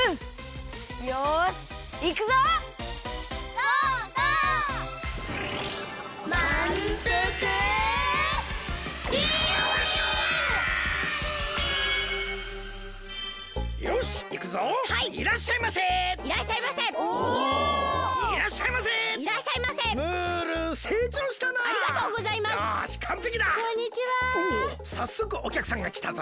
おっさっそくおきゃくさんがきたぞ。